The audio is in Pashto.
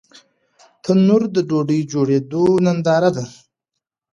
تنور د ډوډۍ جوړېدو ننداره ده